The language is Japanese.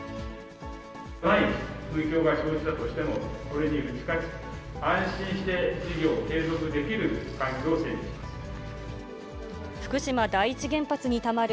万一、風評が生じたとしても、これに打ち勝ち、安心して事業を継続できる環境を整備します。